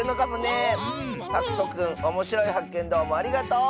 はくとくんおもしろいはっけんどうもありがとう。